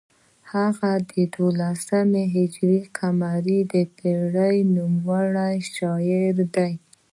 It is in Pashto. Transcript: هغه د دولسم هجري قمري پیړۍ نومیالی شاعر دی.